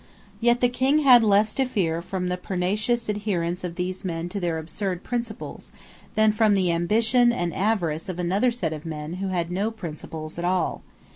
Yet the King had less to fear from the pertinacious adherence of these men to their absurd principles, than from the ambition and avarice of another set of men who had no principles at all.